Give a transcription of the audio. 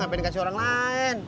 ngapain kasih orang lain